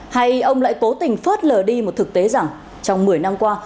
hay ông lại cố tình phớt lờ đi một thực tế rằng trong một mươi năm qua